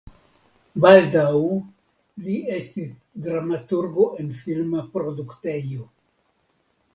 Baldaŭ li estis dramaturgo en filma produktejo.